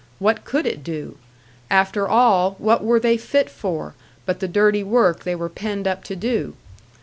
What could it do? After all, what were they fit for, but the dirty work they were penned up to do?